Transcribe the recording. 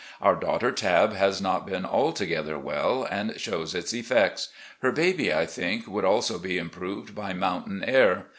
Ovir daughter Tabb has not been altogether well, and shows its effects. Her baby, I think, would also be improved by mountain air.